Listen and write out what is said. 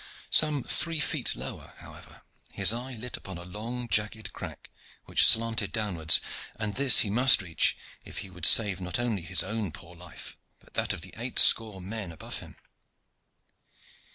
Some three feet lower, however, his eye lit upon a long jagged crack which slanted downwards, and this he must reach if he would save not only his own poor life, but that of the eight score men above him.